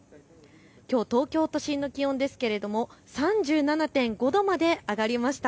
きょう東京都心の気温ですが３７．５度まで上がりました。